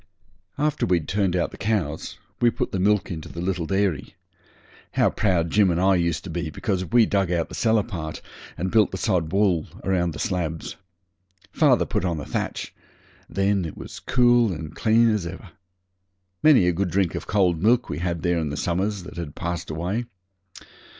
After we'd turned out the cows we put the milk into the little dairy. How proud Jim and I used to be because we dug out the cellar part, and built the sod wall round the slabs! Father put on the thatch; then it was as cool and clean as ever. Many a good drink of cold milk we had there in the summers that had passed away.